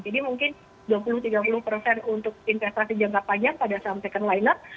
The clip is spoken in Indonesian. jadi mungkin dua puluh tiga puluh untuk investasi jangka panjang pada saham second liner